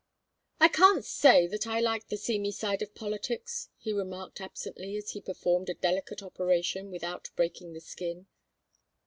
"I can't say that I like the seamy side of politics," he remarked, absently, as he performed a delicate operation without breaking the skin.